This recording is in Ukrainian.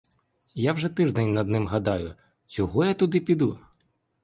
Я вже з тиждень над ним гадаю: чого я туди піду?